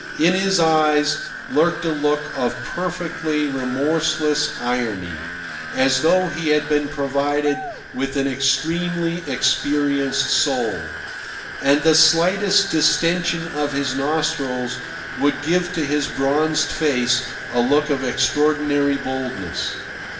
In his eyes lurked a look of perfectly remorseless irony, as though he had been provided with an extremely experienced soul; and the slightest distension of his nostrils would give to his bronzed face a look of extraordinary boldness.